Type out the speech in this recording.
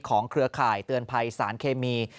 เครือข่ายเตือนภัยสารเคมี